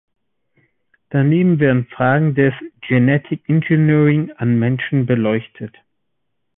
Daneben werden Fragen des Genetic Engineering an Menschen beleuchtet.